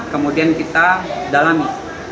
kemudian kita dalami